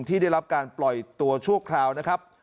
ที่ได้รับการปล่อยตัวชั่วคราวนะครับ